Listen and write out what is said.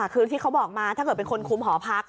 คือที่เขาบอกมาถ้าเกิดเป็นคนคุมหอพัก